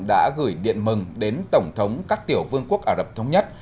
đã gửi điện mừng đến tổng thống các tiểu vương quốc ả rập thống nhất